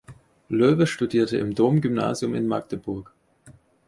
Loewe studierte im Domgymnasium in Magdeburg.